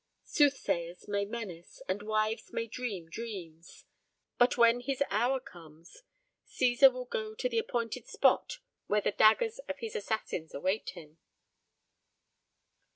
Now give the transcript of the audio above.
Soothsayers may menace, and wives may dream dreams; but when his hour comes, Cæsar will go to the appointed spot where the daggers of his assassins await him.